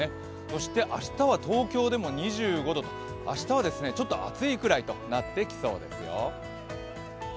そして明日は東京でも２５度と、明日はちょっと暑いくらいとなってきそうですよ。